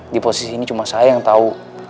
di posisi ini cuma saya yang tahu